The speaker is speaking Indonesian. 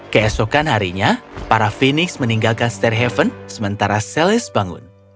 keesokan harinya para fenix meninggalkan stairhaven sementara celeste bangun